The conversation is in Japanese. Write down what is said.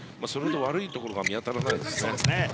悪いところが見当たらないですね。